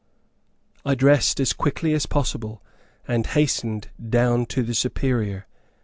I dressed as quickly as possible, and hastened down to the Superior.